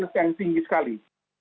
dapatbebana yang tinggi sekali